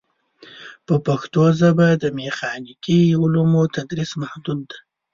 په پښتو ژبه د میخانیکي علومو تدریس محدود دی.